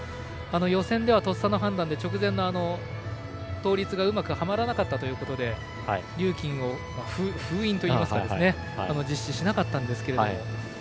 予選では、とっさの判断で直前の倒立がうまくはまらなかったということでリューキンを封印といいますか実施しなかったんですけども。